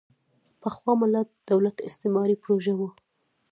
پخوا ملي دولت استعماري پروژه وه.